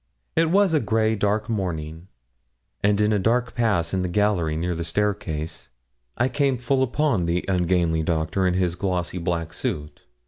It was a grey, dark morning, and in a dark pass in the gallery, near the staircase, I came full upon the ungainly Doctor, in his glossy black suit.